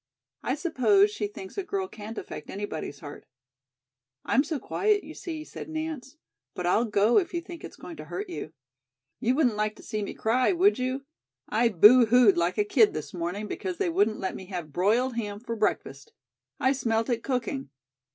I suppose she thinks a girl can't affect anybody's heart." "I'm so quiet, you see," said Nance, "but I'll go if you think it's going to hurt you." "You wouldn't like to see me cry, would you? I boohooed like a kid this morning because they wouldn't let me have broiled ham for breakfast. I smelt it cooking.